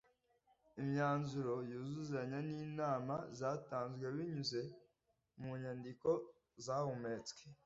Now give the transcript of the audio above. imyanzuro yuzuzanya n’inama zatanzwe binyuze mu nyandiko zahumetswe